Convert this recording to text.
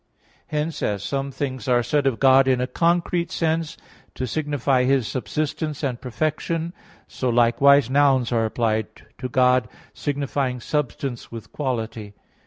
Hence, as some things are said of God in a concrete sense, to signify His subsistence and perfection, so likewise nouns are applied to God signifying substance with quality.